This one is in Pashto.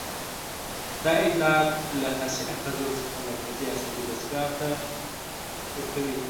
دا اطلاعات له حسي آخذو څخه مرکزي عصبي دستګاه ته ورکوي.